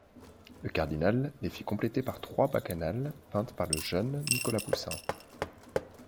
Le cardinal les fit compléter par trois bacchanales peintes par le jeune Nicolas Poussin.